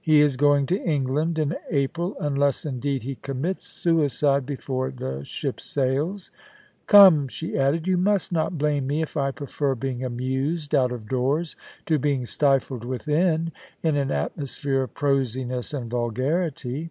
He is going to England in April, unless, indeed, he commits suicide before the ship sail& Come,' she added, * you must not blame me if I prefer being amused out of doors to being stifled within, in an atmosphere of prosiness and vulgarity.